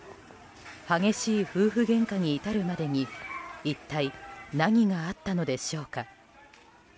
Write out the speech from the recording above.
激しい夫婦げんかに至るまでに一体何があったのでしょうか。